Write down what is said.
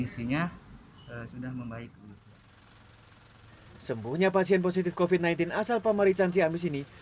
sembuhnya pasien positif covid sembilan belas asal pamarican ciamis ini